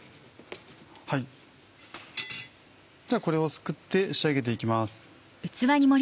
これをすくって仕上げて行きます。